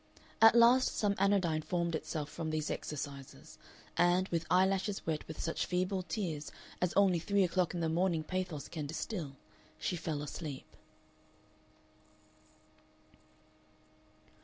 At last some anodyne formed itself from these exercises, and, with eyelashes wet with such feeble tears as only three o'clock in the morning pathos can distil, she fell asleep.